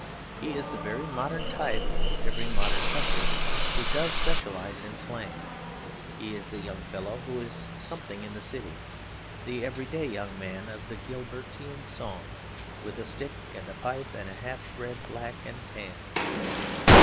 He is the very modern type in every modern country who does specialise in slang. He is the young fellow who is something in the City; the everyday young man of the Gilbertian song, with a stick and a pipe and a half bred black and tan.